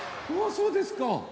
そうですか。